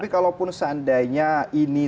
kalaupun seandainya ini